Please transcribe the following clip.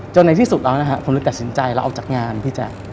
จนในที่สุดแล้วผมเลยกัดสินใจเราออกจากงานพี่แจ๊ก